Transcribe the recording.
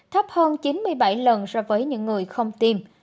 thấp hơn chín mươi bảy lần so với những người không tiêm